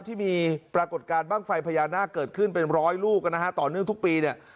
ที่มีปรากฏการณ์บ้างไฟพญานาคเกิดขึ้นเป็นร้อยลูกนะฮะต่อเนื่องทุกปีเนี่ย